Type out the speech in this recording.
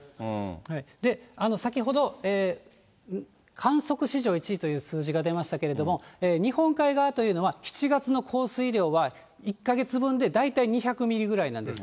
先ほど、観測史上１位という数字が出ましたけれども、日本海側というのは、７月の降水量は１か月分で大体２００ミリぐらいなんです。